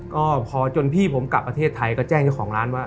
ก็พอจนพี่ผมกลับประเทศไทยก็แจ้งเจ้าของร้านว่า